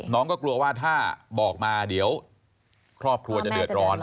น้องก็กลัวว่าถ้าบอกมาเดี๋ยวครอบครัวจะเดือดร้อน